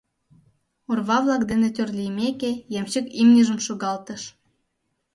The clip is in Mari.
Орва-влак дене тӧр лиймеке, ямщик имньыжым шогалтыш.